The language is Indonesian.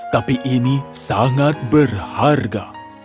tapi ini sangat berharga